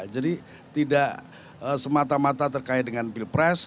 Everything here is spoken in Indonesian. jadi tidak semata mata terkait dengan pilpres